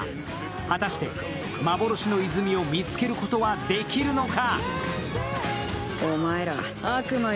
果たして幻の泉を見つけることはできるのか。